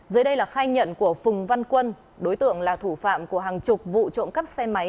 dưới đây là khai nhận của phùng văn quân đối tượng là thủ phạm của hàng chục vụ trộm cắp xe máy